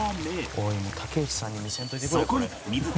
「おいもう竹内さんに見せんといてくれこれ」